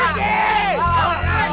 aw aku mulai suburbs menghafalkan